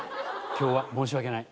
今日は申し訳ない。